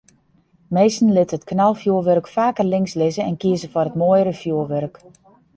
Minsken litte it knalfjoerwurk faker links lizze en kieze foar it moaiere fjoerwurk.